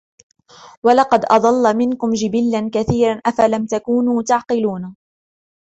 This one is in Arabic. وَلَقَدْ أَضَلَّ مِنْكُمْ جِبِلًّا كَثِيرًا أَفَلَمْ تَكُونُوا تَعْقِلُونَ